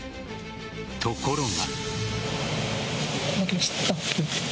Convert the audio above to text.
ところが。